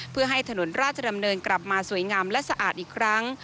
เพื่อให้ถนนราชดำเนินกลับมาสวยงามและสะอาดอีกครั้ง